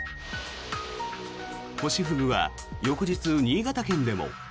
ホシフグは翌日、新潟県でも。